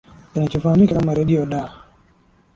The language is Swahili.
kinachofahamika kama radio d